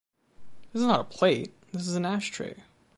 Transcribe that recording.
This is not a plate! This is an ashtray.